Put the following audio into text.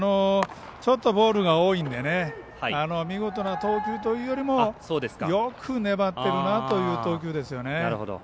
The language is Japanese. ちょっとボールが多いので見事な投球というよりもよく粘っているなという投球ですよね。